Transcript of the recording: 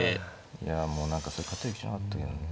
いやもう何かそれ勝てる気しなかったけどね。